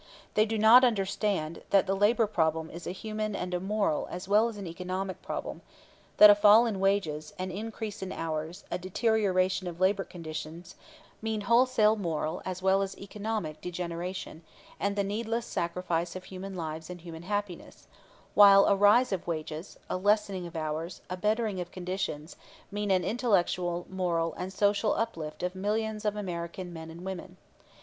They do not understand that the labor problem is a human and a moral as well as an economic problem; that a fall in wages, an increase in hours, a deterioration of labor conditions mean wholesale moral as well as economic degeneration, and the needless sacrifice of human lives and human happiness, while a rise of wages, a lessening of hours, a bettering of conditions, mean an intellectual, moral and social uplift of millions of American men and women.